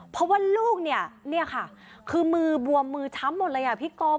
เพราะว่าลูกเนี่ยเนี่ยค่ะคือมือบวมมือช้ำหมดเลยอ่ะพี่ก๊อฟ